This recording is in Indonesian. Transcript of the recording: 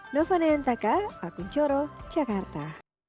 novanayantaka akun coro jakarta